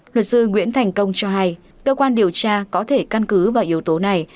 luật sư nguyễn thành công cho hay cơ quan điều tra có thể căn cứ vào yếu tố này